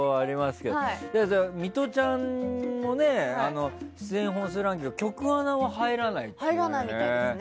ミトちゃんも出演本数ランキングは局アナは入らないと。